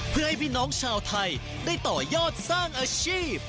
เพื่อให้พี่น้องชาวไทยได้ต่อยอดสร้างอาชีพ